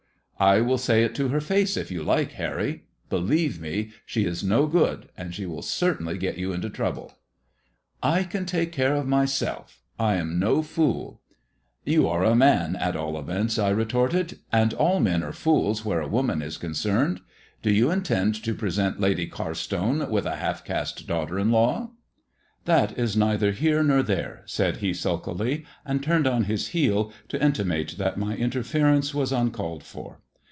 I will say it to her face if you like, Harry, Believe me, she is no good, and she will certainly get you into trouble." " I can take care of myself. I am no fool." You are a man, at all events," I retorted, "and all < 'THE TALE OF THE TURQUOISE SKULL* 223 men are fools where a woman is concerned. Do you intend to present Lady Carstone with a half caste daughter in law 1" " That is neither here nor there,*' said he sulkily, and turned on his heel to intimate that my interference was uncalled for.